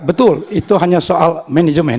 betul itu hanya soal manajemen